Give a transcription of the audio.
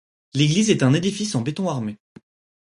L'église est un édifice en béton armé.